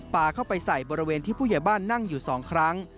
ปลาเข้าไปใส่บริเวณที่ผู้ใหญ่บ้านนั่งอยู่๒ครั้ง